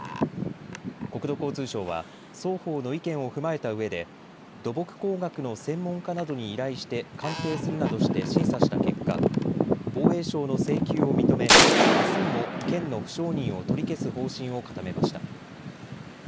国土交通省は双方の意見を踏まえたうえで土木工学の専門家などに依頼して鑑定するなどして審査した結果、防衛省の請求を認めあすにも県の不承認を取り消す方針を固めました。